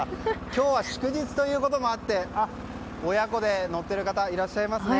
今日は祝日ということもあって親子で乗っている方いらっしゃいますね。